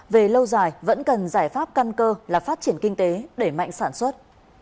về lâu dài vẫn cần giải pháp căn cơ là phát triển kinh tế đẩy mạnh sản xuất